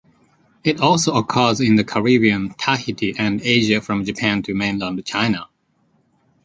It also occurs in the Caribbean, Tahiti, and Asia from Japan to mainland China.